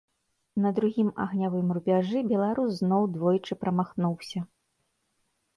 На другім агнявым рубяжы беларус зноў двойчы прамахнуўся.